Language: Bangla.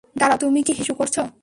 দাঁড়াও, তুমি কি হিসু করছ?